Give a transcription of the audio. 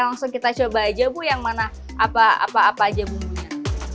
langsung kita coba aja bu yang mana apa aja bumbunya